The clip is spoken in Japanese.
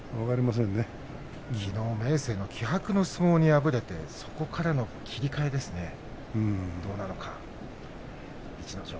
きのう明生の気迫の相撲に敗れてそこからの切り替えですね逸ノ城。